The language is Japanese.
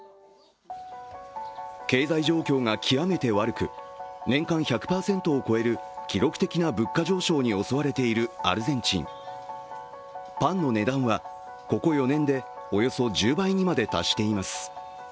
経済状況が極めて悪く、年間１００％を超える記録的な物価上昇に襲われているアルゼンチンパンの値段はここ４年で、およそ１０倍にまで達しています。